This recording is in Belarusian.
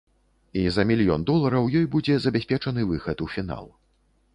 І за мільён долараў ёй будзе забяспечаны выхад у фінал.